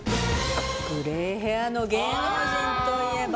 グレーヘアの芸能人といえば？